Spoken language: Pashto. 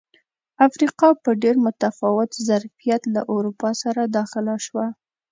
افریقا په ډېر متفاوت ظرفیت له اروپا سره داخله شوه.